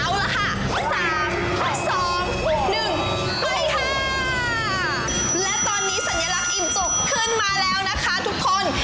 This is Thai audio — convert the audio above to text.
และตอนนี้สัญลักษณ์อิ่มจุกขึ้นมาแล้วนะคะทุกคน